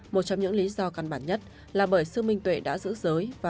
một trong những lý do căn bản nhất là bởi sư minh tuệ đã giữ giới